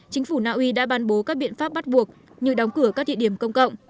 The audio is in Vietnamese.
chính phủ naui đã ban bố các biện pháp bắt buộc như đóng cửa các địa điểm công cộng